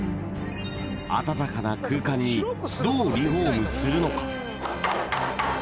あたたかな空間にどうリフォームするのか？